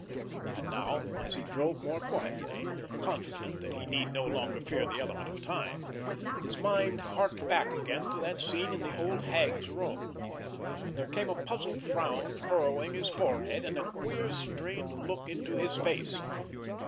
And now as he drove more quietly, confident that he need no longer fear the element of time, his mind harked back again to that scene in the old hag's room, and there came a puzzled frown furrowing his forehead, and a queer strained look into his face.